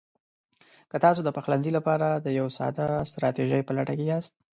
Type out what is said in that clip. که تاسو د پخلنځي لپاره د یوې ساده ستراتیژۍ په لټه کې یاست: